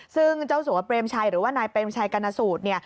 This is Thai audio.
ซึ่งเจ้าสัวเปรมชัยหรือว่านายเปรมชัยกรณสูตรเนี่ย